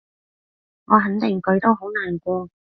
我肯定佢都好難過